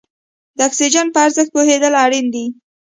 د اکسیجن په ارزښت پوهېدل اړین دي.